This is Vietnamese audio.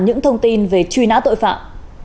những thông tin về truy nã tội phạm